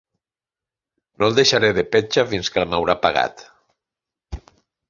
No el deixaré de petja fins que m'haurà pagat.